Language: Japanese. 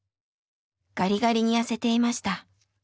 ガリガリに痩せていました。